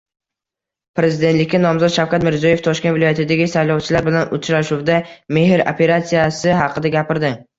Prezidentlikka nomzod Shavkat Mirziyoyev Toshkent viloyatidagi saylovchilar bilan uchrashuvda Mehr operatsiyasi haqida gapirdi